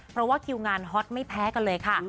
เพราะว่าคิวงานฮอตไม่แพ้กันเลยค่ะ